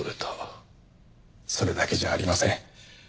それだけじゃありません。